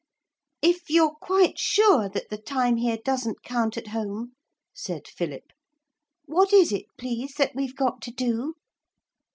'If you're quite sure that the time here doesn't count at home,' said Philip, 'what is it, please, that we've got to do?'